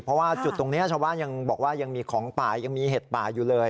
เพราะว่าจุดตรงนี้ชาวบ้านยังบอกว่ายังมีของป่ายังมีเห็ดป่าอยู่เลย